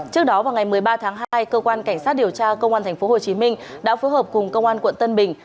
trước đó vào ngày một mươi ba tháng hai cơ quan cảnh sát điều tra công an tp hcm đã phối hợp cùng công an quận tân bình